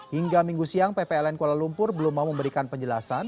hingga minggu siang ppln kuala lumpur belum mau memberikan penjelasan